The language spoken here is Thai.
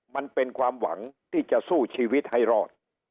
มันเป็นความหวังที่จะสู้ชีวิตให้รอด